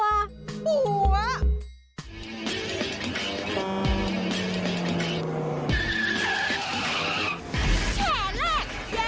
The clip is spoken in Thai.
กลัวกลัว